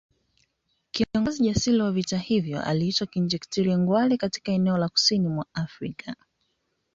Kiongozi jasiri wa vita hivyo aliitwa Kinjekitile Ngwale katika eneo la kusini mwa Afrika